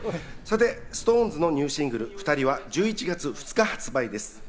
ＳｉｘＴＯＮＥＳのニューシングル『ふたり』は１１月２日発売です。